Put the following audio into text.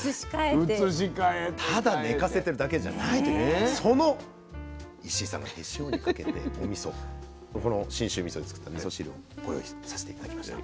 ただ寝かせてるだけじゃないというその石井さんが手塩にかけたおみそこの信州みそで作ったみそ汁をご用意させて頂きました。